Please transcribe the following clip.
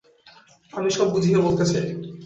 আমি সব বুঝিয়ে বলতে চাই।